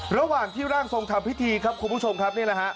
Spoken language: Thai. ระหว่างที่ร่างทรงทำพิธีครับคุณผู้ชมครับนี่แหละฮะ